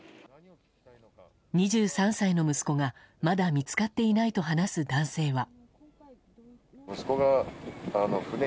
２３歳の息子がまだ見つかっていないと話す男性は。